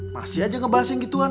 masih aja ngebahas yang gituan